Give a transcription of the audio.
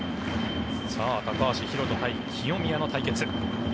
高橋宏斗対清宮の対決。